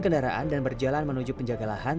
kendaraan dan berjalan menuju penjaga lahan